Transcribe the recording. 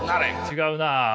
違うな。